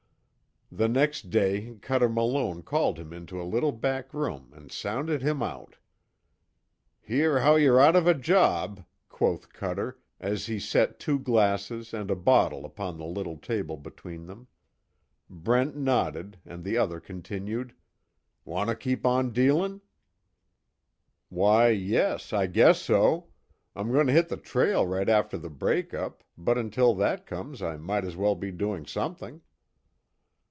The next day Cuter Malone called him into a little back room and sounded him out. "Hear how yer out of a job," quoth Cuter, as he set two glasses and a bottle upon the little table between them. Brent nodded, and the other continued: "Want to keep on dealin'?" "Why yes, I guess so. I'm going to hit the trail right after the break up, but until that comes I might as well be doing something."